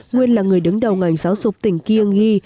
nguyên là người đứng đầu ngành giáo dục tỉnh kiêng hi